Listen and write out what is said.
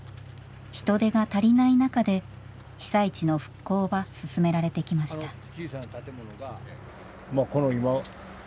人手が足りない中で被災地の復興は進められてきました。